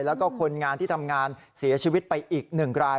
แล้วก็คนงานที่ทำงานเสียชีวิตไปอีก๑ราย